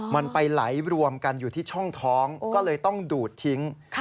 มันไปไหลรวมกันอยู่ที่ช่องท้องก็เลยต้องดูดทิ้ง